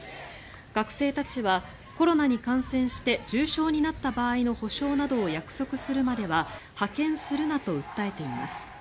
学生たちはコロナに感染して重症になった場合の補償などを約束するまでは派遣するなと訴えています。